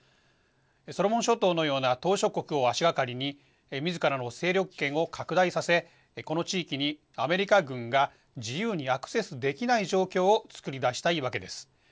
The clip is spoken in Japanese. ソロモン諸島のような島しょ国を足がかりに、みずからの勢力圏を拡大させ、この地域にアメリカ軍が自由にアクセスできない状況を作り出したいわけです。